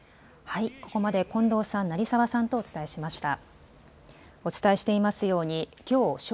ここまで近藤さん、成澤さんとお伝えしました。